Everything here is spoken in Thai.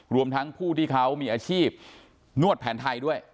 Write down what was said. รวมทั้งผู้ที่เขามีอาชีพนวดแผนไทยด้วย